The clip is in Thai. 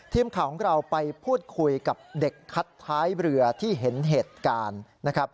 ทีมข่าวของเราไปพูดคุยกับเด็กคัดท้ายเรือที่เห็นเหตุการณ์นะครับ